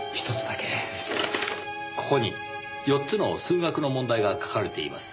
ここに４つの数学の問題が書かれています。